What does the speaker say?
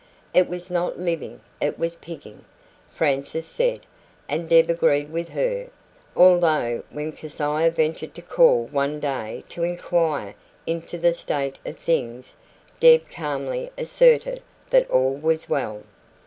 It was not living, it was "pigging", Frances said and Deb agreed with her although when Keziah ventured to call one day to inquire into the state of things, Deb calmly asserted that all was well.